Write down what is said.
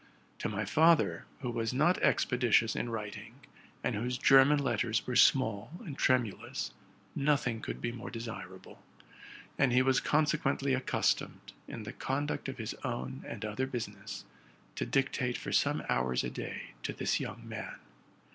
'To my father, who was not expeditious in writing. and whose German letters were small and tremulous, nothing could be more desirable; and he was consequently accus tomed, in the conduct of his own and other business. to dic tate for some hours a day to this young man.